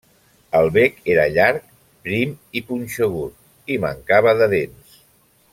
El bec era llarg, prim i punxegut, i mancava de dents.